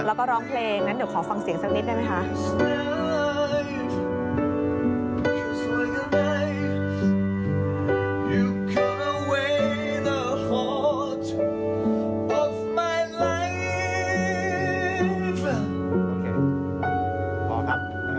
แล้วก็ร้องเพลงนั้นเดี๋ยวขอฟังเสียงสักนิดได้ไหมคะ